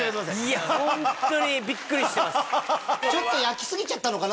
いや本当にびっくりしてます。